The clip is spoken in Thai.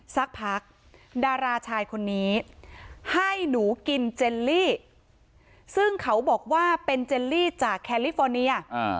สักพักดาราชายคนนี้ให้หนูกินเจลลี่ซึ่งเขาบอกว่าเป็นเจลลี่จากแคลิฟอร์เนีย